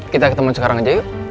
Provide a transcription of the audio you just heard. kita ketemu sekarang aja yuk